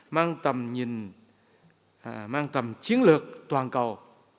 mang tầm nhìn mang tầm chiến lược toàn cầu